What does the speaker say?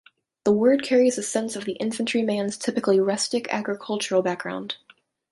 The word carries the sense of the infantryman's typically rustic, agricultural background.